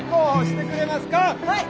はい！